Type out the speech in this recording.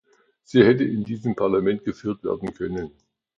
Sie hätte in diesem Parlament geführt werden können.